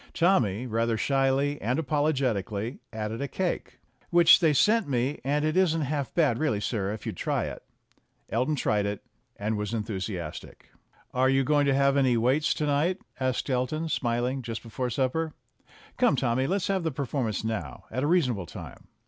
Tommy, rather shyly and apologetically, added a cake, "Which they sent me, and it isn't half bad really, sir, if you'd try it." Elton tried it, and was enthusiastic. THE BOY AND THE PESSIMIST 113 "Are we going to have any waits to night?" asked Elton, smiling, just before supper. "Come, Tommy, let's have the performance now, at a reasonable time."